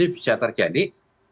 itu bisa terjadi